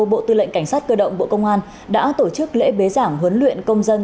bộ tư lệnh cảnh sát cơ động bộ công an đã tổ chức lễ bế giảng huấn luyện công dân